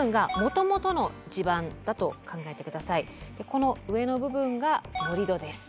この上の部分が盛り土です。